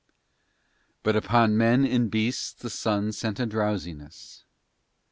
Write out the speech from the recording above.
But upon men and beasts the sun sent a drowsiness.